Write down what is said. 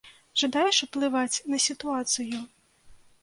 Жадаеш ўплываць на сітуацыю?